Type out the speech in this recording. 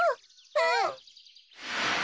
うん！